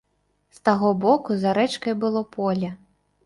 З таго боку за рэчкай было поле.